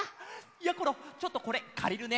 やころちょっとこれかりるね。